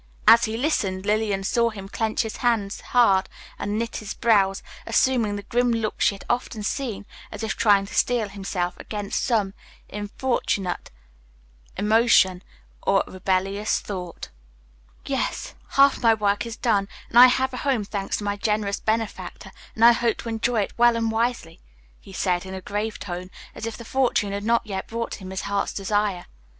As he listened, Lillian saw him clench his hand hard and knit his brows, assuming the grim look she had often seen, as if trying to steel himself against some importunate emotion or rebellious thought. "Yes, half my work is done, and I have a home, thanks to my generous benefactor, and I hope to enjoy it well and wisely," he said in a grave tone, as if the fortune had not yet brought him his heart's desire.